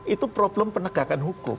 itu problem penegakan hukum